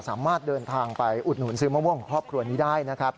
สามารถเดินทางไปอุดหนุนซื้อมะม่วงของครอบครัวนี้ได้นะครับ